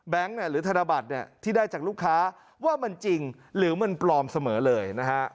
หรือธนบัตรที่ได้จากลูกค้าว่ามันจริงหรือมันปลอมเสมอเลยนะฮะ